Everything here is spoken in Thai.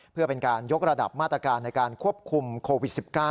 เพื่อเป็นการยกระดับมาตรการในการควบคุมโควิด๑๙